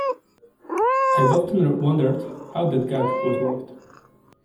I've often wondered how that gag was worked.